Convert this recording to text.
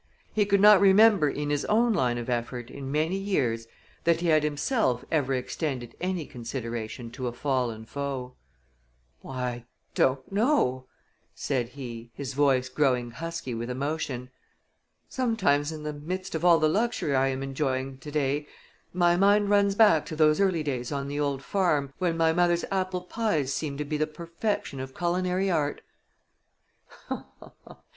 He could not remember in his own line of effort in many years that he had himself ever extended any consideration to a fallen foe. "Why, I don't know," said he, his voice growing husky with emotion. "Sometimes in the midst of all the luxury I am enjoying to day my mind runs back to those early days on the old farm when my mother's apple pies seemed to be the perfection of culinary art."